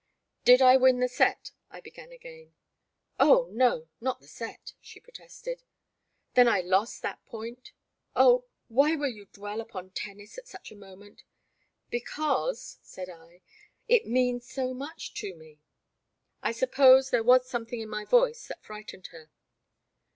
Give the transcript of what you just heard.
Did I win the set ?" I began again. Oh— no — not the set !" she protested. Then I lost that point ?"Oh ! why will you dwell upon tennis at such a moment !"*' Because," said I, it means so much to me." I suppose there was something in my voice that frightened her.